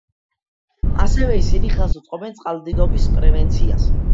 ასევე ისინი ხელს უწყობენ წყალდიდობის პრევენციას.